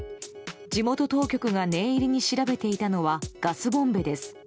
地元当局が念入りに調べていたのはガスボンベです。